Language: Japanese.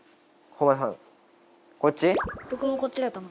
僕もこっちだと思う。